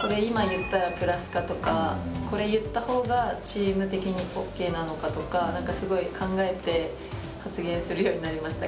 これ今言ったらプラスかとか、これを言った方がチーム的にオーケーなのかとか、すごい考えて発言するようになりました。